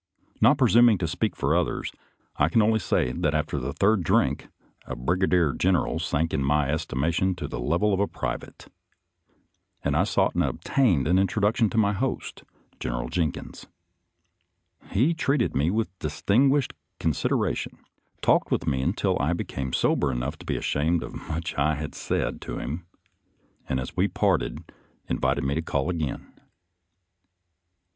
Not presum ing to speak for others, I can only say* that after the third drink a brigadier general sank in my estimation to the level of a private, and I sought and obtained an introduction to my host. Gen eral Jenkins. He treated me with distinguished consideration, talked with me until I became sober enough to be ashamed of much I had said to him, and as we parted invited me to call again.